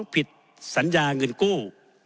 ผิดสัญญาเงินกู้